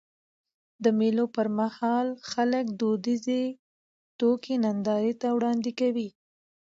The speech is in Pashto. د مېلو پر مهال خلک دودیزي توکي نندارې ته وړاندي کوي.